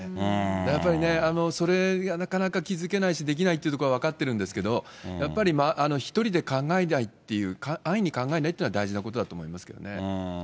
だからやっぱりね、それがなかなか気付けないし、できないっていうところは分かってるんですけど、やっぱり１人で考えないっていう、安易に考えないっていうのが大事だと思いますけどね。